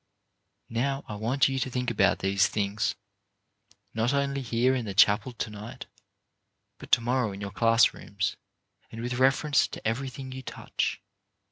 Now I want you to think about these things, not only here in the chapel to night, but to morrow in your class rooms, and with reference to every thing you touch.